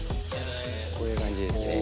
こういう感じですね。